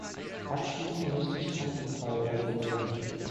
Abschließend möchte ich Vattenfall erwähnen.